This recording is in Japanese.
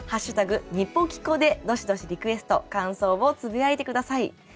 「＃にぽきこ」でどしどしリクエスト感想をつぶやいて下さい。